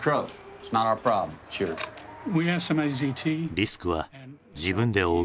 リスクは自分で負う。